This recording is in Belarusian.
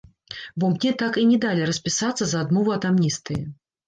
Бо мне так і не далі распісацца за адмову ад амністыі.